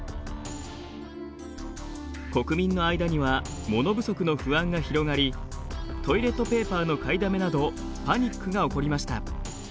国民の間には物不足の不安が広がりトイレットペーパーの買いだめなどパニックが起こりました。